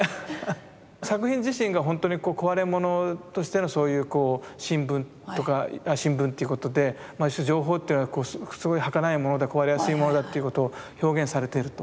作品自身がほんとにこわれものとしてのそういうこう新聞っていうことでまあ一種情報っていうのはすごいはかないもので壊れやすいものだっていうことを表現されていると。